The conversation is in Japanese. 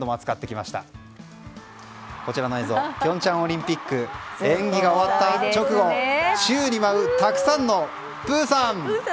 こちら、平昌オリンピックの演技が終わった直後宙に舞うたくさんのプーさん！